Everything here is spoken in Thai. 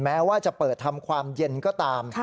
แม้ว่าจะเปิดทำความเย็นก็ตาม